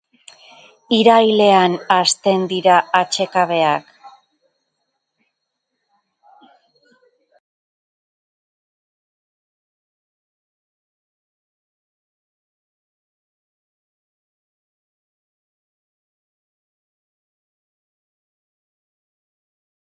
Irailean hasten dira klaseak.